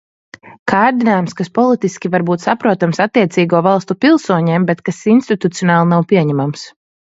Kārdinājums, kas politiski var būt saprotams attiecīgo valstu pilsoņiem, bet kas institucionāli nav pieņemams.